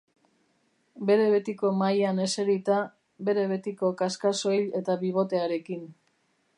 Bere betiko mahaian eserita, bere betiko kaskasoil eta bibotearekin.